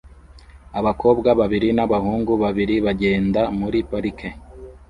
Abakobwa babiri n'abahungu babiri bagenda muri parike